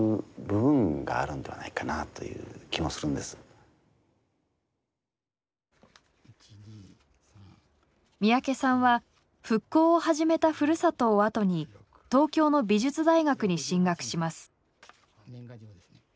時々三宅さんは復興を始めたふるさとを後に東京の美術大学に進学します。